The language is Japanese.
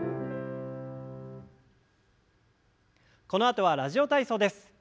このあとは「ラジオ体操」です。